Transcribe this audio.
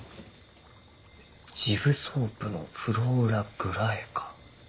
シブソープの「フローラ・グライカ」。